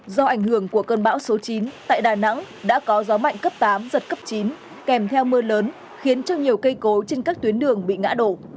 do ảnh hưởng của cơn bão số chín tại đà nẵng đã có gió mạnh cấp tám giật cấp chín kèm theo mưa lớn khiến cho nhiều cây cố trên các tuyến đường bị ngã đổ